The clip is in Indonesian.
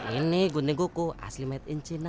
ini gunting kuku asli made in china